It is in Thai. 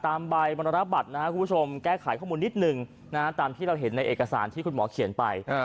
ตามใบบรรณบัตรนะครับคุณผู้ชมแก้ไขข้อมูลนิดนึงตามที่เราเห็นในเอกสารที่คุณหมอเขียนไป